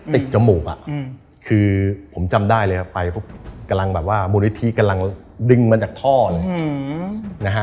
ดึงจมูกอ่ะคือผมจำได้เลยครับกำลังหาอาวัยธิกำลังดึงมาจากท่อเลย